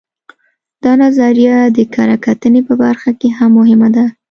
دا نظریه د کره کتنې په برخه کې هم مهمه ده